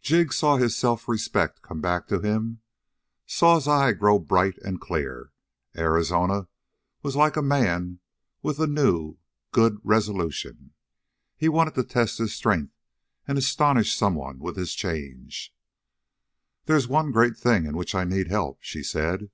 Jig saw his self respect come back to him, saw his eye grow bright and clear. Arizona was like a man with a new "good resolution." He wanted to test his strength and astonish someone with his change. "There is one great thing in which I need help," she said.